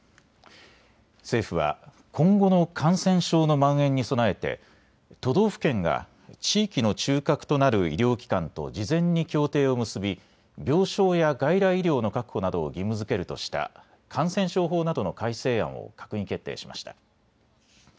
政府は今後の感染症のまん延に備えて都道府県が地域の中核となる医療機関と事前に協定を結び病床や外来医療の確保などを義務づけるとした感染症法などの改正案を閣議決定しました。